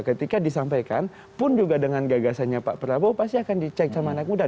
ketika disampaikan pun juga dengan gagasannya pak prabowo pasti akan dicek sama anak muda